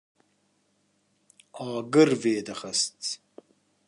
agir vedixwist